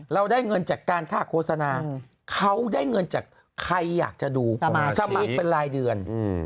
เราได้เงินจากการฆ่าโฆษณาเขาได้เงินจากใครอยากจะดูสมัครเป็นรายเดือน